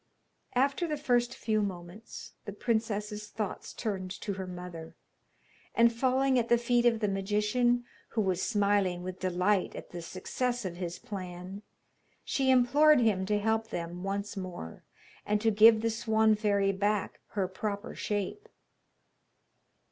After the first few moments, the princess's thoughts turned to her mother, and falling at the feet of the magician, who was smiling with delight at the success of his plan, she implored him to help them once more, and to give the Swan fairy back her proper shape.